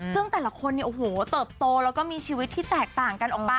ซึ่งแต่ละคนเนี่ยโอ้โหเติบโตแล้วก็มีชีวิตที่แตกต่างกันออกไป